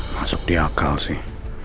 masuk di akal sih